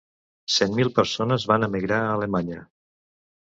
Cent mil persones van emigrar a Alemanya.